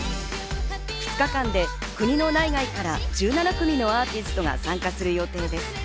２日間で国の内外から１７組のアーティストが参加する予定です。